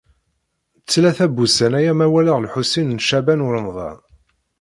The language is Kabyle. Tlata n wussan-aya ma walaɣ Lḥusin n Caɛban u Ṛemḍan.